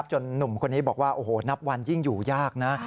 หนุ่มคนนี้บอกว่าโอ้โหนับวันยิ่งอยู่ยากนะ